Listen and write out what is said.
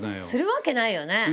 するわけないよね。